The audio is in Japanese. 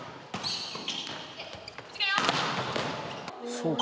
そうか。